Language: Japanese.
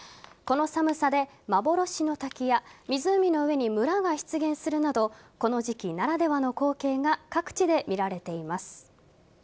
この寒さで幻の滝や湖の上に村が出現するなどこの時期ならではの光景が各地で見られています。